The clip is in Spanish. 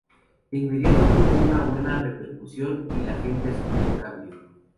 De inmediato tuvo una buena repercusión, y la gente aceptó el cambio.